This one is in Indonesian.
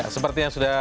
seperti yang sudah